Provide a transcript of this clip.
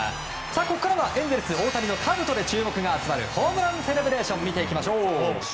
ここからは、エンゼルス大谷のかぶとで注目が集まるホームランセレブレーションを見ていきましょう。